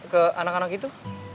ke anak anak itu